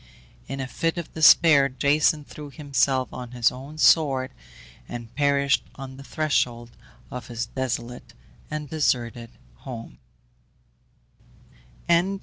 In a fit of despair Jason threw himself on his own sword, and perished on the threshold of his desolate and deserted home.